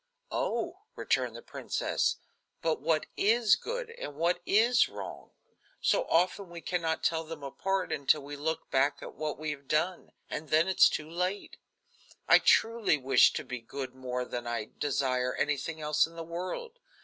"Oh!" returned the princess, "but what is good and what is wrong? So often we can not tell them apart until we look back at what we have done, and then it is all too late. I truly wish to be good more than I desire anything else in the world.